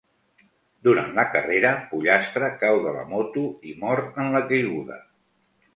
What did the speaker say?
Durant la carrera, Pollastre cau de la moto i mor en la caiguda.